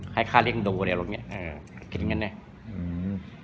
ให้ข้าเลี่ยงดูแล้วเนี่ยคิดอย่างนั้นเนี่ย